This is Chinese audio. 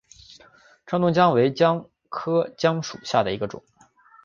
川东姜为姜科姜属下的一个种。